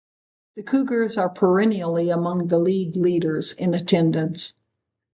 The Cougars are perennially among the league leaders in attendance.